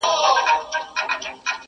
زاغ نيولي ځالګۍ دي د بلبلو٫